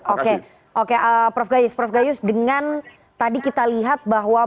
oke oke prof gayus prof gayus dengan tadi kita lihat bahwa